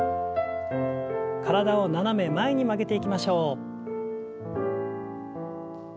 体を斜め前に曲げていきましょう。